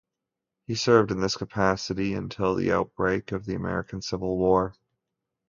He served in this capacity until the outbreak of the American Civil War.